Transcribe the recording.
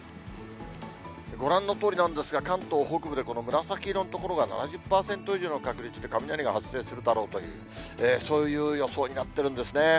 ご覧のとおりなんですが、関東北部でこの紫色の所が７０％以上の確率で雷が発生するだろうという、そういう予想になってるんですね。